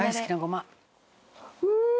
うん！